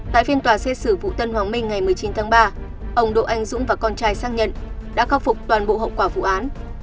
tại phiên tòa xét xử vụ tân hoàng minh ngày một mươi chín tháng ba ông đỗ anh dũng và con trai xác nhận đã khắc phục toàn bộ hậu quả vụ án